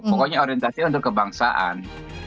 pokoknya orientasinya untuk kebangsaan